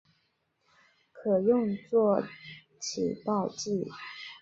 可用作起爆剂。